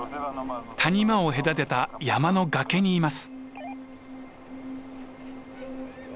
谷間を隔てた山の崖にいます。